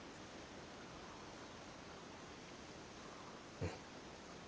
うん。